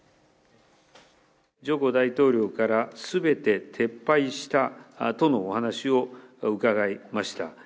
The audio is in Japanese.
ジョコ大統領から、すべて撤廃したとのお話を伺いました。